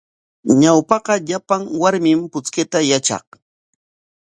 Ñawpaqa llapan warmim puchkayta yatraq.